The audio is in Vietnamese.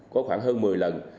có khoảng hơn một mươi lần